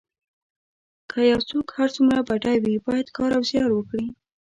که یو څوک هر څومره بډای وي باید کار او زیار وکړي.